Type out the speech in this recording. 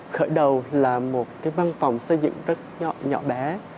khởi đầu là một cái văn phòng xây dựng rất nhỏ bé